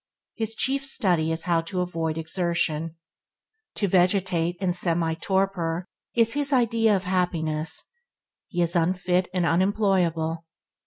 His chief study is how to avoid exertion. To vegetate in semi torpor is his idea of happiness. He is unfit and unemployable.